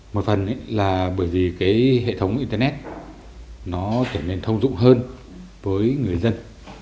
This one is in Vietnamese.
một phần là bởi vì cái hệ thống internet nó trở nên thông dụng hơn với người dân